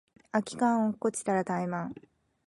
空き缶落っこちたらタイマン